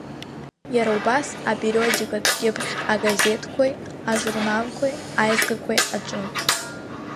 Иара убас апериодикатә кьыԥхь агазеҭқәеи, ажурналқәеи, аизгақәеи аҿы.